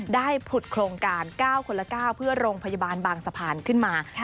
ผุดโครงการ๙คนละ๙เพื่อโรงพยาบาลบางสะพานขึ้นมา